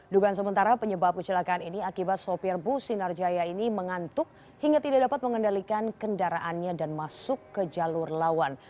dugaan sementara penyebab kecelakaan ini akibat sopir bus sinarjaya ini mengantuk hingga tidak dapat mengendalikan kendaraannya dan masuk ke jalur lawan